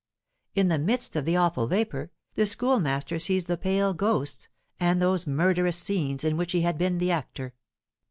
In the midst of the awful vapour, the Schoolmaster sees the pale ghosts, and those murderous scenes in which he had been the actor.